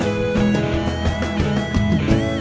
semuanya ada di sini